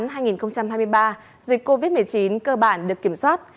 dịch covid một mươi chín cơ bản được kiểm soát